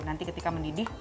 nanti ketika mendidih